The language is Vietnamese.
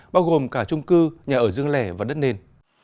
bao gồm cả trung cư nhà ở dương lẻ và đất nền